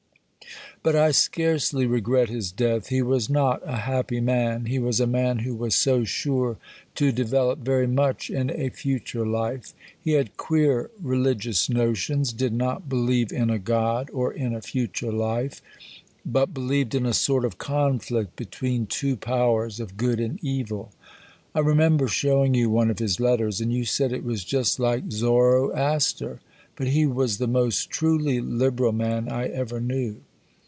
But I scarcely regret his death. He was not a happy man. He was a man who was so sure to develop very much in a future life. He had queer religious notions: did not believe in a God or in a future life: but believed in a sort of conflict between two Powers of Good and Evil. I remember showing you one of his letters. And you said it was just like Zoroaster. But he was the most truly "Liberal" man I ever knew.